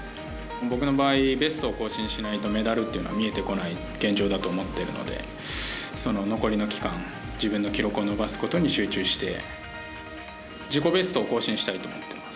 僕の場合ベストを更新しないとメダルは見えてこない現状だと思っているので残りの期間、自分の記録を伸ばすことに集中して自己ベストを更新したいと思ってます。